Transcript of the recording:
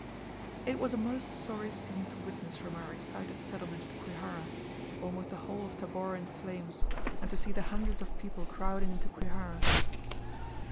It was a most sorry scene to witness from our excited settlement at Kwihara, almost the whole of Tabora in flames, and to see the hundreds of people crowding into Kwihara.